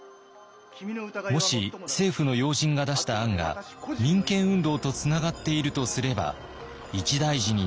もし政府の要人が出した案が民権運動とつながっているとすれば一大事になりかねません。